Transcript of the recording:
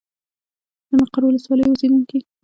د مقر ولسوالي اوسېدونکي د پښتو ژبې مرکزي لهجه باندې خبرې کوي.